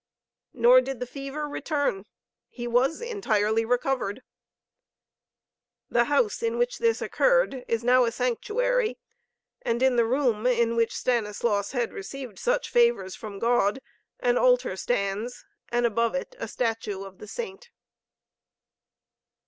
Nor did the fever return. He was entirely recovered. The house in which this occurred is now a sanctuary, and in the room in which Stanislaus had received such favors from God an altar stands, and above it a statue of the Saint.